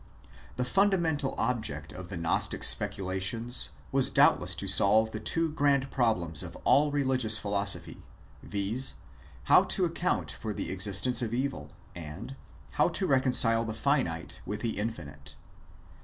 The funda mental object of the Gnostic speculations was doubtless to solve the two grand problems of all religious philosophy, viz. How to account for the existence of evil ; and, How to recon cile the finite with the infinite.